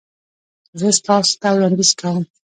زه تاسو ته وړاندیز کوم